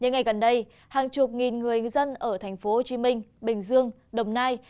những ngày gần đây hàng chục nghìn người dân ở thành phố hồ chí minh bình dương đồng nai